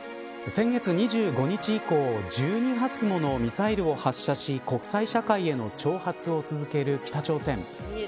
先月２５日以降１２発ものミサイルを発射し国際社会への挑発を続ける北朝鮮。